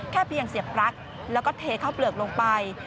เพียงเสียบปลั๊กแล้วก็เทเข้าเปลือกลงไป